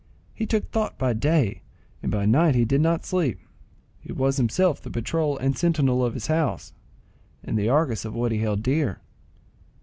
He took thought by day, and by night he did not sleep; he was himself the patrol and sentinel of his house, and the Argus of what he held dear.